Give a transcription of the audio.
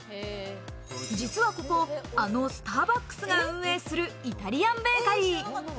実はここ、あのスターバックスが運営するイタリアンベーカリー。